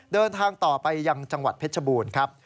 เดินทางต่อไปยังจังหวัดเพชรบูรณ์ครับ